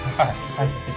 はい。